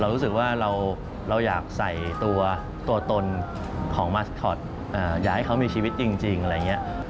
รู้สึกว่าเราอยากใส่ตัวตนของมาสทอตอยากให้เขามีชีวิตจริงอะไรอย่างนี้